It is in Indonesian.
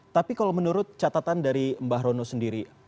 tapi kalau menurut catatan dari mbak rono sendiri